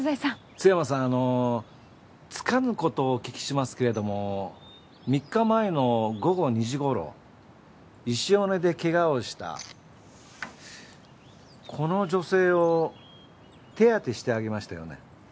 津山さんあのつかぬことをお聞きしますけれども３日前の午後２時ごろ石尾根でけがをしたこの女性を手当てしてあげましたよね？